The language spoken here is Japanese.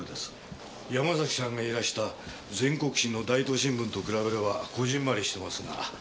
山崎さんがいらした全国紙の大東新聞と比べればこぢんまりしてますが。